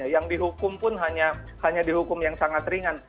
yang dihukum pun hanya dihukum yang sangat ringan